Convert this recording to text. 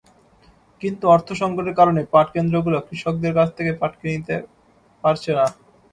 কিন্তু অর্থসংকটের কারণে পাটকেন্দ্রগুলো কৃষকদের কাছ থেকে পাট কিনতে পারছে না।